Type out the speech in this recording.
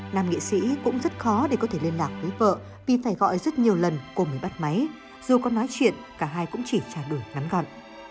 nam nghệ sĩ cũng rất khó để có thể liên lạc với vợ vì phải gọi rất nhiều lần cô mới bắt máy dù có nói chuyện cả hai cũng chỉ trao đổi ngắn gọn